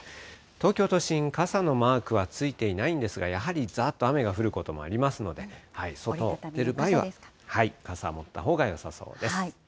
東京都心、傘のマークはついていないんですが、やはりざーっと雨が降ることもありますので、外出る場合は、傘持ったほうがよさそうです。